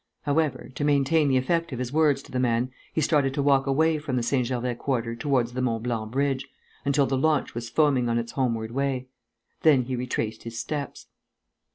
However, to maintain the effect of his words to the man, he started to walk away from the St. Gervais quarter towards the Mont Blanc bridge, until the launch was foaming on its homeward way. Then he retraced his steps.